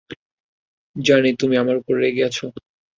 জানি তুমি আমার ওপর রেগে আছ।